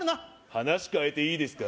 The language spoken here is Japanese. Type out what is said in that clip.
話変えていいですか？